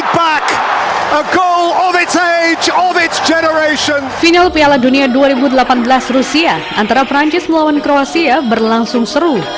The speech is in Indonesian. piala dunia dua ribu delapan belas rusia antara perancis melawan kroasia berlangsung seru